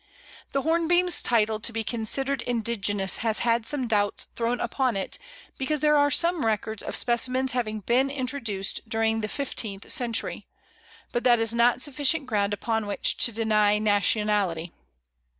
The Hornbeam's title to be considered indigenous has had some doubts thrown upon it because there are some records of specimens having been introduced during the fifteenth century, but that is not sufficient ground upon which to deny nationality.